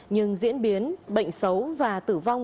nhưng diễn biến bệnh xấu và tử vong